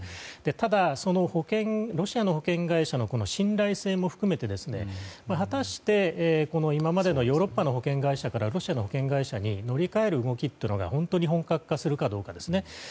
ただ、ロシアの保険会社の信頼性も含めて果たして今までのヨーロッパの保険会社からロシアの保険会社に乗り換える動きっていうのは本当に本格化するかどうかです。